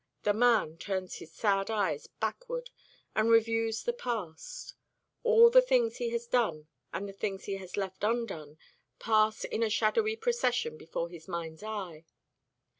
The man turns his sad eyes backward and reviews the past. All the things he has done and the things he has left undone pass in a shadowy procession before his mind's eye.